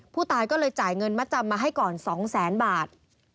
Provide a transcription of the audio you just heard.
ผู้ตายก็เลยจ่ายเงินมัดจำมาให้ก่อน๒แสนบาท